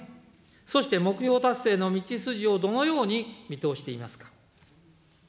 そして目標達成の道筋をどのように見通していますか。